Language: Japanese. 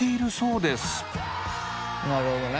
なるほどね。